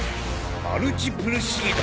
マルチプルシード。